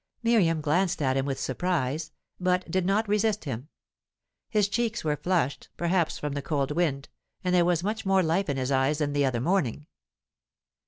Miriam glanced at him with surprise, but did not resist him. His cheeks were flushed, perhaps from the cold wind, and there was much more life in his eyes than the other morning.